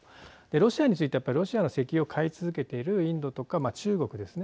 ロシアについてはやっぱりロシアが石油を買い続けているインドとか中国ですね